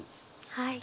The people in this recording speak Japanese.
はい。